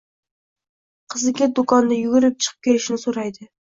qiziqga do‘konga yugurib chiqib kelishini so‘raydi.